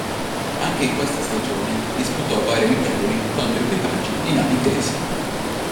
Anche in questa stagione disputò varie amichevole contro equipaggi di navi inglesi.